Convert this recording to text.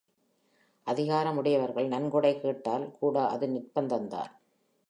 அதிகாரம் உடையவர்கள் நன்கொடை கேட்டால் கூட அது நிர்ப்பந்தான்.